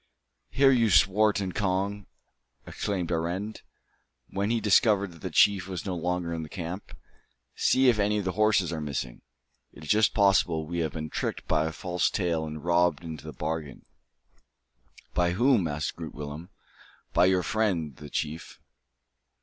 "Here, you Swart and Cong!" exclaimed Arend, when he discovered that the chief was no longer in the camp, "see if any of the horses are missing. It is just possible we have been tricked by a false tale and robbed into the bargain." "By whom?" asked Groot Willem. "By your friend, the chief.